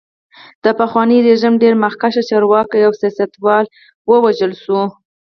د پخواني رژیم ډېر مخکښ چارواکي او سیاستوال ووژل شول.